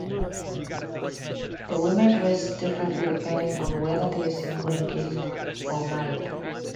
The women dress differently depending on whether they are single, engaged, or married.